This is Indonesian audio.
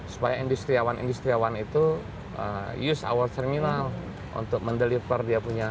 supaya industriawan industriawan itu use our terminal untuk mendeliver dia punya